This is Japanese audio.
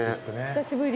久しぶり。